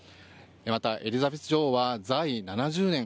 また、エリザベス女王は在位７０年。